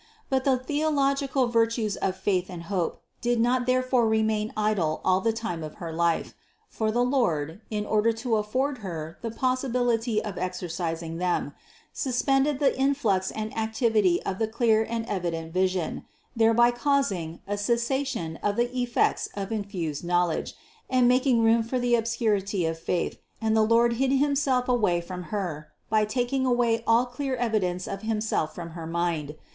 But the theological virtues of faith and hope did not therefore remain idle all the time of her life; for the Lord, in order to afford Her the possibility of exercising them, suspended the influx and activity of the clear and evident vision, thereby caus ing a cessation of the effects of infused knowledge, and making room for the obscurity of faith and the Lord hid himself from Her by taking away all clear evidence of Himself from her mind.